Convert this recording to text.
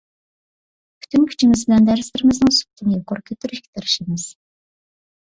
پۈتۈن كۈچىمىز بىلەن دەرسلىرىمىزنىڭ سۈپىتىنى يۇقىرى كۆتۈرۈشكە تىرىشىمىز.